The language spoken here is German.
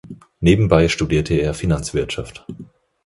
Nebenbei studierte er Finanzwirtschaft.